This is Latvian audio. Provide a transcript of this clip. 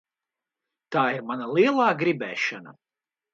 Tā ir mana lielā gribēšana.